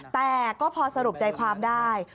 แต่ก็พอสรุปใจความได้